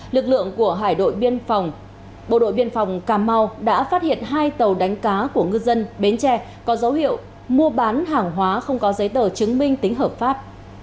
lực lượng của hải đội bộ đội biên phòng cà mau đã phát hiện hai tàu đánh cá của ngư dân bến tre có dấu hiệu mua bán hàng hóa không có giấy tờ chứng minh tính hợp pháp